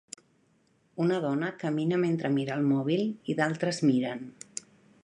Una dona camina mentre mira el mòbil i d'altres miren.